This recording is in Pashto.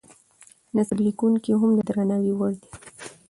نثر لیکونکي هم د درناوي وړ دي.